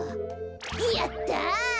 やった。